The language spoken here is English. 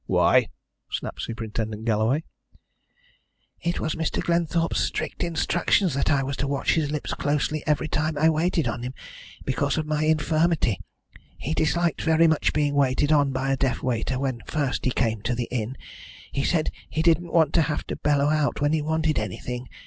"Why?" snapped Superintendent Galloway. "It was Mr. Glenthorpe's strict instructions that I was to watch his lips closely every time I waited on him, because of my infirmity. He disliked very much being waited on by a deaf waiter when first he came to the inn. He said he didn't want to have to bellow out when he wanted anything.